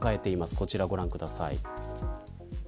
こちらご覧ください。